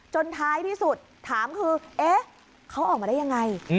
ท้ายที่สุดถามคือเอ๊ะเขาออกมาได้ยังไง